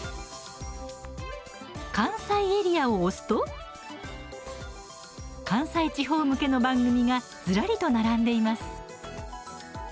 関西エリアを押すと関西地方向けの番組がずらりと並んでいます。